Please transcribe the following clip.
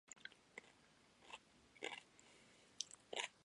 その癖に大飯を食う